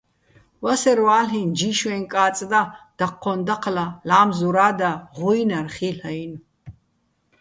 ვასერვ ა́ლ'იჼ: ჯიშვეჼ კა́წ და, დაჴჴოჼ დაჴლა, ლა́მზურა́ და, ღუჲნარ ხილ'ო̆-აჲნო̆.